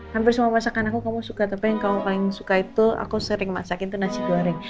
hampir semua masakan aku kamu suka tapi yang kamu paling suka itu aku sering masakin itu nasi goreng